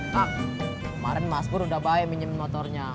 kak kemarin mas pur udah baik minjem motornya